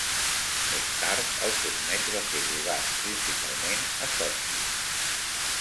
Més tard, el torneig va ser jugat principalment a Sotxi.